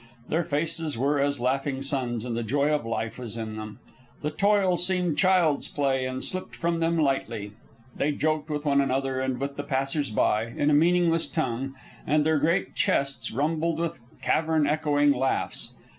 Their faces were as laughing suns, and the joy of life was in them. The toil seemed child's play and slipped from them lightly. They joked with one another, and with the passers by, in a meaningless tongue, and their great chests rumbled with cavern echoing laughs.